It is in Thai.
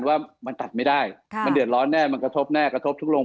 ว่ามันตัดไม่ได้มันเดือดร้อนแน่มันกระทบแน่กระทบทุกโรง